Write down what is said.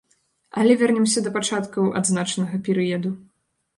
Але вернемся да пачаткаў адзначанага перыяду.